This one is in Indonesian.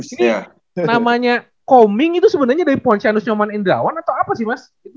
ini namanya koming itu sebenarnya dari ponse nyoman indrawan atau apa sih mas